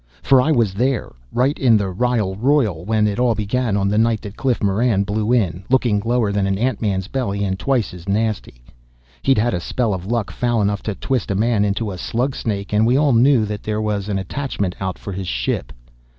For I was there, right in the Rigel Royal, when it all began on the night that Cliff Moran blew in, looking lower than an antman's belly and twice as nasty. He'd had a spell of luck foul enough to twist a man into a slug snake and we all knew that there was an attachment out for his ship.